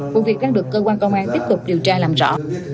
vụ việc đang được cơ quan công an tiếp tục điều tra làm rõ